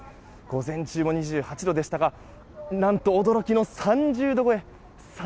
午前中も２８度でしたが何と驚きの３０度超え。